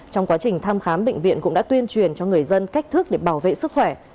trong quá trình thăm khám bệnh viện cũng đã tuyên truyền cho người dân cách thức để bảo vệ sức khỏe